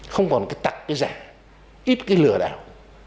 không còn cái tặng cái giả ít cái lừa đảo